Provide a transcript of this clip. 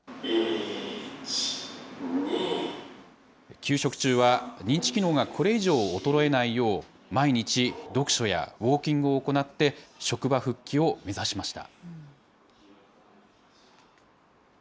休職中は、認知機能がこれ以上衰えないよう、毎日読書やウォーキングを行って、職場復帰を目指しました。